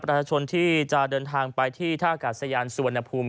ประชาชนที่จะเดินทางไปที่ท่ากาศยานสุวรรณภูมิ